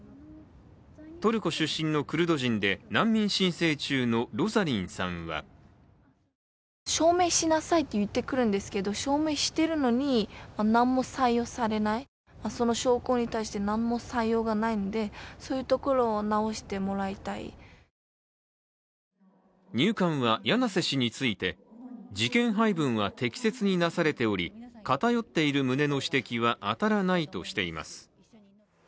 トルコ出身のクルド人で難民申請中のロザリンさんは入管は柳瀬氏について事件配分は適切になされており偏っている旨の指摘は当たらないとしています